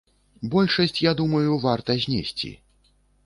Большасць, я думаю, варта знесці.